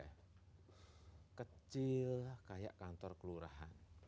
yang kecil kayak kantor kelurahan